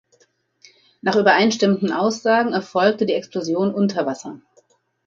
Nach übereinstimmenden Aussagen erfolgte die Explosion unter Wasser.